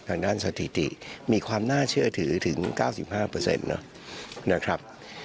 ทางด้านสถิติมีความน่าเชื่อถือถึง๙๕นะครับ